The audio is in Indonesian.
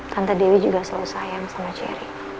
tante dewi juga selalu sayang sama ceri